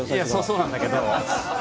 そうなんだけど。